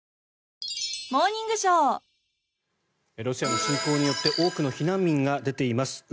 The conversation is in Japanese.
ロシアの侵攻によって多くの避難民が出ています。